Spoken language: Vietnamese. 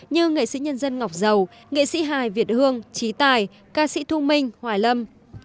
như nghệ sĩ nhân dân ngọc dầu nghệ sĩ hài việt hương trí tài ca sĩ thu minh hoài lâm